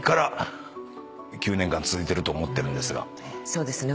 そうですね。